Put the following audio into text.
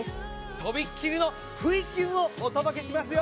とびっきりの不意キュンをお届けしますよ